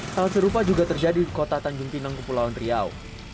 hal serupa juga terjadi di kota tanjung pinang kepulauan riau